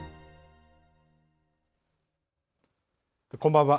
こんばんは。